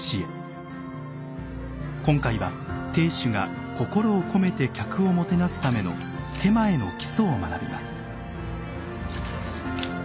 今回は亭主が心を込めて客をもてなすための点前の基礎を学びます。